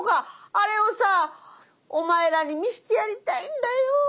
あれをさお前らに見してやりたいんだよ。